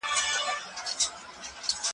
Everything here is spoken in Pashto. سپین ږیرو ته درناوی وکړئ.